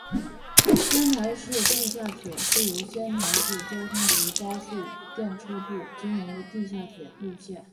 仙台市地下铁是由仙台市交通局高速电车部经营的地下铁路线。